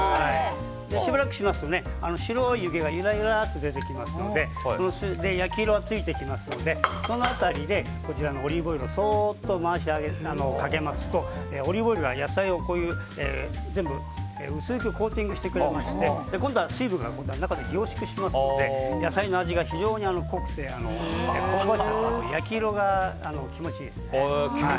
しばらくしますと白い湯気がゆらゆらと出てきますので焼き色がついてきますのでその辺りでオリーブオイルをそっと回しかけますとオリーブオイルが野菜を全部薄くコーティングしてくれるので今度は水分が中で凝縮しますので野菜の味が非常に濃くて香ばしくなるのと焼き色が気持ちがいいですね。